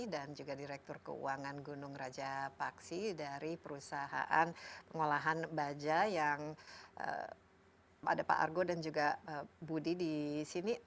dan juga direktur keuangan gunung raja paksi dari perusahaan pengolahan baja yang ada pak argo dan juga budi di sini